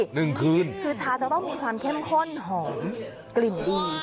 หนึ่งคืนคือชาจะต้องมีความเข้มข้นหอมกลิ่นดี